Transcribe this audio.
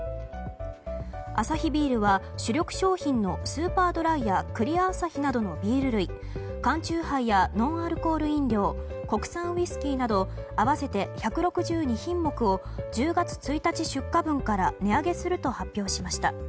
アサヒビールは主力商品のスーパードライやクリアアサヒなどのビール類缶酎ハイやノンアルコール飲料国産ウイスキーなど合わせて１６２品目を１０日１日出荷分から値上げすると発表しました。